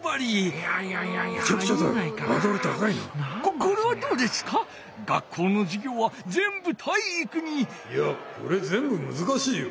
いやこれぜんぶむずかしいよ。